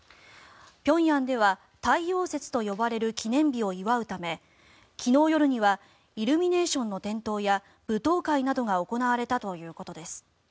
平壌では太陽節と呼ばれる記念日を祝うため昨日夜にはイルミネーションの点灯や舞踏会などが行われたということです。